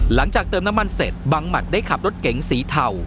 หลังจากเติมน้ำมันเสร็จบังหมัดได้ขับรถเก๋งสีเทา